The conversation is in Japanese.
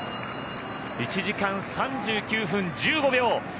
１時間３９分１５秒。